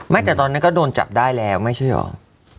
แต่ตอนนั้นก็โดนจับได้แล้วไม่ใช่เหรอ